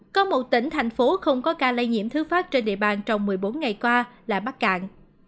có một tỉnh thành phố không có ca lây nhiễm thứ phát trên địa bàn trong một mươi bốn ngày qua là bắc cạn